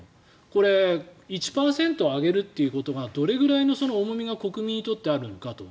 これ、１％上げるということがどれくらいの重みが国民にとってあるのかと。